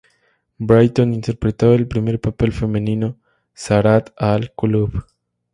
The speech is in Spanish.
Brayton interpretaba el primer papel femenino, Zahrat-al-Kulub.